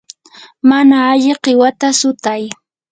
mana alli qiwata sutay.